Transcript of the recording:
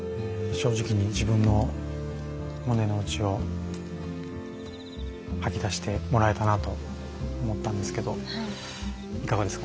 正直に自分の胸の内を吐き出してもらえたなと思ったんですけどいかがですか？